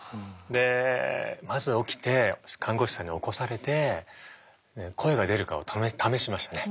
でまず起きて看護師さんに起こされて声が出るかを試しましたね。